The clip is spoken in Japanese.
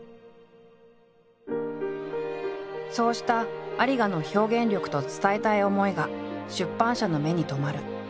そうした有賀の表現力と伝えたい思いが出版社の目に留まる。